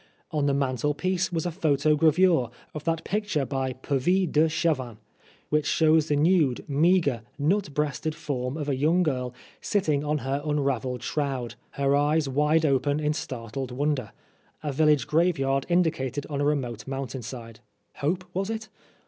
On the mantel piece was a photogravure of that picture by Puvis de Chavannes which shows the nude, meagre, nut breasted form of a young girl sitting up on her unravelled shroud, her eyes 29 Oscar Wilde wide open in startled wonder, a village graveyard indicated on a remote mountain side. Hope was it